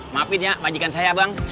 maafin ya majikan saya bang